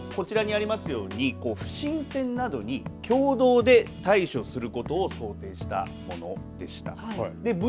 ただ、こちらにありますように不審船などに共同で対処することを想定したものでした。